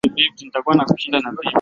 Nimekuwa nikienda huko sana